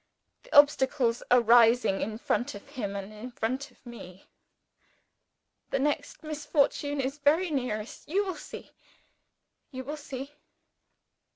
The obstacles are rising in front of him and in front of me. The next misfortune is very near us. You will see! you will see!"